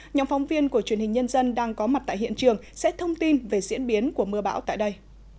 nhóm phóng viên của truyền hình nhân dân đang có mặt tại hiện trường sẽ thông tin về diễn biến của mưa bão tại đây